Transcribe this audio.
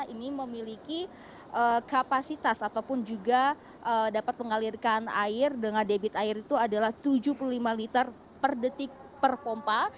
ini memiliki kapasitas ataupun juga dapat mengalirkan air dengan debit air itu adalah tujuh puluh lima liter per detik per pompa